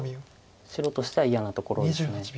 白としては嫌なところです。